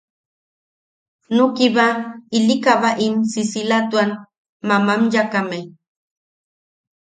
Nukiba ili kabaʼim sisilatuan mamanyakame.